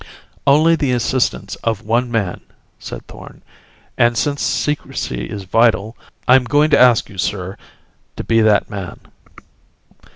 "Only the assistance of one man," said Thorn. "And, since secrecy is vital, I'm going to ask you, sir, to be that man."